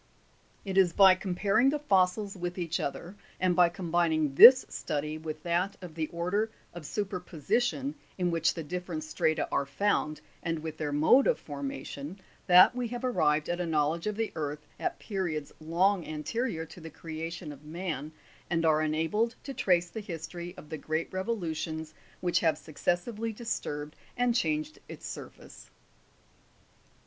4. It is by comparing the fossils with each other, and by com bining this study with that of the order of superposition, in which the different strata are found, and with their mode of formation, that we have arrived at a knowledge of the earth at periods long anterior to the creation of man, and are enabled to trace the his tory of the great revolutions which have successively disturbed and changed its surface.